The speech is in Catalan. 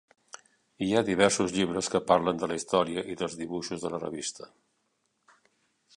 Hi ha diversos llibres que parlen de la història i dels dibuixos de la revista.